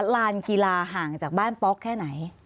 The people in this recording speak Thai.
ลานกีฬาห่างจากบ้านป๊อกแค่ไหน